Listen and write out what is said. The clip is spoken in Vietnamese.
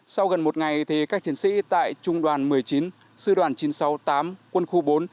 sau gần một ngày các chiến sĩ tại trung đoàn một mươi chín sư đoàn chín trăm sáu mươi tám quân khu bốn